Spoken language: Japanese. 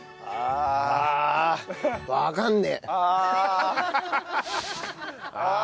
ああ。